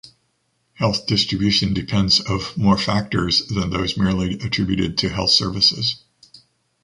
Health distribution depends of more factors than those merely attributed to health services.